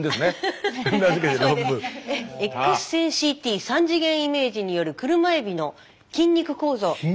「Ｘ線ＣＴ三次元イメージによるクルマエビの筋肉構造」と。